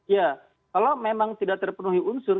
ya kalau memang tidak terpenuhi unsur